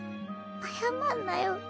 謝んなよ。